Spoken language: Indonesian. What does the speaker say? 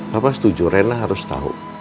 papa setuju rena harus tau